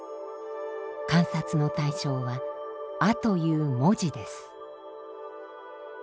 観察の対象は「阿」という文字です。